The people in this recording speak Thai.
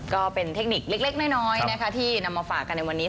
ก็เป็นเทคนิคเล็กน้อยนะคะที่นำมาฝากกันในวันนี้